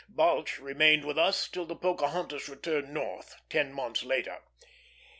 Balch remained with us till the Pocahontas returned North, ten months later.